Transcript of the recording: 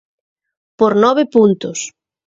Por nove puntos.